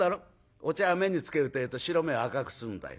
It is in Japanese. お茶目につけるってえと白目を赤くするんだよ。